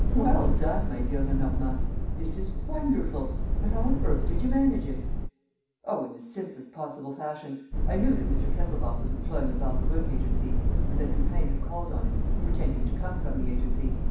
"Well done, my dear Lenormand; this is wonderful! But how on earth did you manage it?" "Oh, in the simplest possible fashion. I knew that Mr. Kesselbach was employing the Barbareux agency and that Lupin had called on him, pretending to come from the agency.